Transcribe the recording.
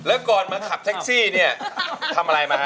แล้วก่อนมาขับแท็กซี่เนี่ยทำอะไรมาฮ